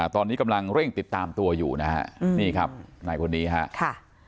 ตอนนี้กำลังเร่งติดตามตัวอยู่นะฮะนี่ครับนายคนนี้ฮะค่ะ